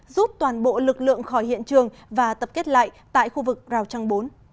rút toàn bộ lực lượng khỏi hiện trường và tập kết lại tại khu vực rào trăng bốn